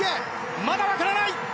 まだわからない。